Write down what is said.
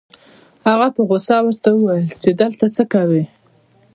هغه په غصه ورته وويل چې دلته څه کوې؟